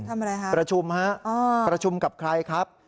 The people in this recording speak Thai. ทำอะไรฮะประชุมฮะประชุมกับใครครับ